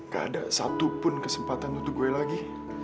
gak ada satupun kesempatan untuk gue lagi